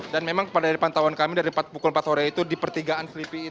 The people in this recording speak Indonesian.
dan memang pada pantauan kami dari pukul empat sore itu di pertigaan selipi